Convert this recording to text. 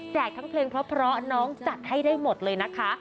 ทั้งเพลงเพราะน้องจัดให้ได้หมดเลยนะคะ